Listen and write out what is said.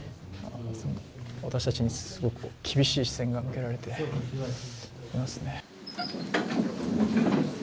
私たちにすごく厳しい視線が向けられていますね。